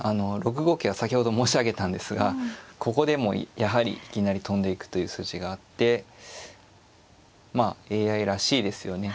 ６五桂は先ほど申し上げたんですがここでもやはりいきなり跳んでいくという筋があってまあＡＩらしいですよね。